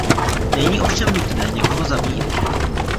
Není ovšem nutné někoho zabíjet.